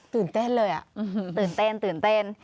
ตื่นเต้นเลยอะอือฮือตื่นเต้น